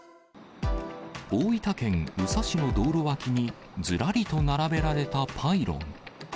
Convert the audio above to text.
大分県宇佐市の道路脇にずらりと並べられたパイロン。